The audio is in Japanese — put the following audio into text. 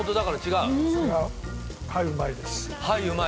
うまいですはい！